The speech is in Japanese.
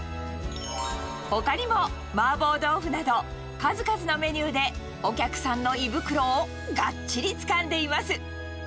ほかにも、麻婆豆腐など、数々のメニューでお客さんの胃袋をがっちりつかんでいます。